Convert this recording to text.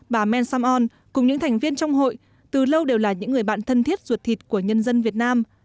bà men sam on cùng những thành viên trong hội từ lâu đều là những người bạn thân thiết ruột thịt của nhân dân việt nam